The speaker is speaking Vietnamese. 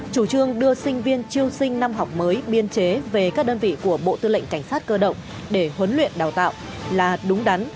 chủ trương đưa sinh viên triêu sinh năm học mới biên chế về các đơn vị của bộ tư lệnh cảnh sát cơ động để huấn luyện đào tạo là đúng đắn